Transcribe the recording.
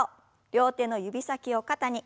両手の指先を肩に。